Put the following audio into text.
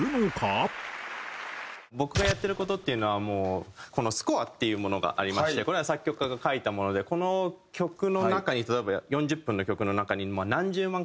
僕がやってる事っていうのはもうこのスコアっていうものがありましてこれは作曲家が書いたものでこの曲の中に例えば４０分の曲の中に何十万個の音があるんですよね。